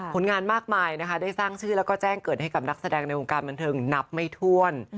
ผลงานมากมายนะคะได้สร้างชื่อแล้วก็แจ้งเกิดให้กับนักแสดงในวงการบันเทิงนับไม่ถ้วน